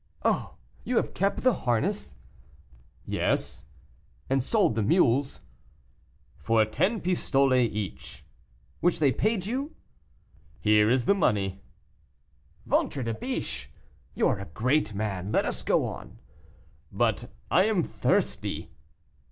"Oh! you have kept the harness?" "Yes." "And sold the mules?" "For ten pistoles each." "Which they paid you?" "Here is the money." "Ventre de biche! you are a great man, let us go on." "But I am thirsty."